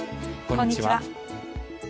こんにちは。